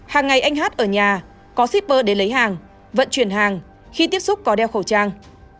hàng ngày anh hát ở nhà có shipper để lấy hàng vận chuyển hàng khi tiếp xúc có đeo khẩu trang